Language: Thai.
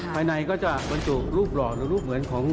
ภายในก็จะบรรจุรูปหล่อหรือรูปเหมือนของ